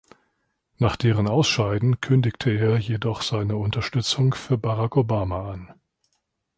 Nach deren Ausscheiden kündigte er jedoch seine Unterstützung für Barack Obama an.